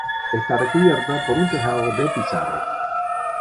Está recubierta por un tejado de pizarra.